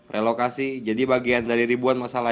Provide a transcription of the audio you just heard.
relokasi jadi bagian dari ribuan masalah